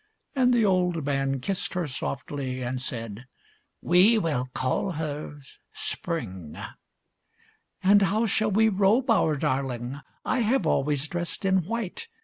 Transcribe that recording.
And the old man kissed her softly, And said, "we will call her Spring." "And how shall we robe our darling? I have always dressed in white!